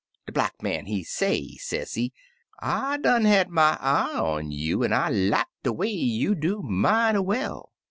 De Black Man he say, sezee, 'I done had my eye on you, an' I like de way you do mighty well.